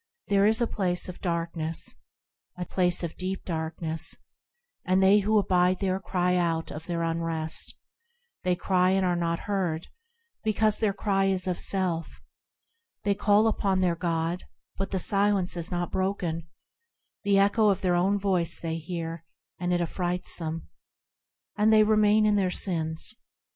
There is a place of darkness, A dwelling place of deep darkness, And they who abide there cry out of their unrest, They cry and are not heard, because their cry is of self; They call upon their God, but the silence is not broken ; The echo of their own voice they hear, and it affrights them. And they remain in their sins.